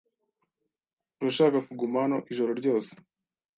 Urashaka kuguma hano ijoro ryose?